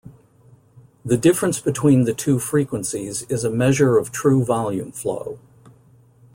The difference between the two frequencies is a measure of true volume flow.